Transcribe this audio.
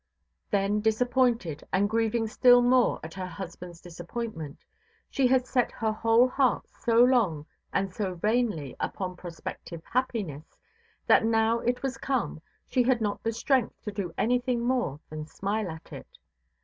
Then disappointed, and grieving still more at her husbandʼs disappointment, she had set her whole heart so long and so vainly upon prospective happiness, that now it was come she had not the strength to do anything more than smile at it.